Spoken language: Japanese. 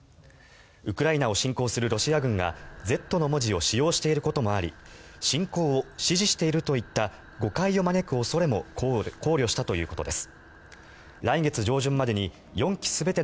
ウクライナを侵攻するロシア軍が「Ｚ」の文字を使用していることもあり侵攻を支持しているといった誤解を招く恐れも考慮したということです。